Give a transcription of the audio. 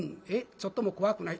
ちょっとも怖くない？